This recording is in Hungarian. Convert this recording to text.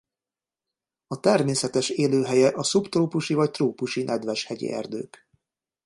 A természetes élőhelye a szubtrópusi vagy trópusi nedves hegyi erdők.